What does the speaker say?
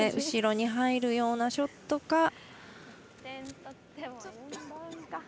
後ろに入るようなショットか。